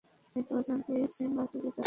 কিন্তু অর্জুন কি সিম্বাকে জেতাতে পারবে?